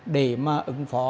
để mà ứng phỏ